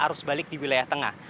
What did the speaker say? arus balik di wilayah tengah